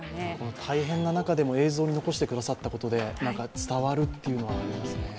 大変な中でも映像に残してくださったことで伝わるっていうのは。